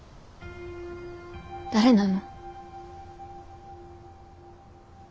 誰なの？